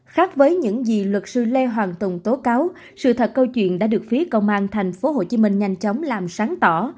khác với những gì luật sư lê hoàng tùng tố cáo sự thật câu chuyện đã được phía công an tp hcm nhanh chóng làm sáng tỏ